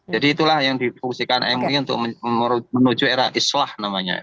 jadi itulah yang dipungsikan mui untuk menuju era islah namanya